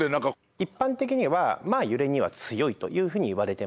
一般的にはまあ揺れには強いというふうにいわれてます。